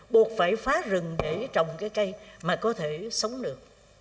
buộc phải phá rừng để trồng cái cây mà có thể sống được